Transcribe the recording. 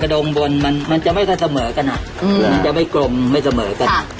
กระโดงบนมันจะไม่ค่อยเสมอกันนะจะไม่กลมไม่เสมอกัน